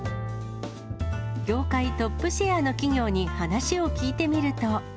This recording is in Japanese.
業界トップシェアの企業に話を聞いてみると。